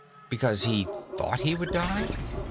Because he thought he would die?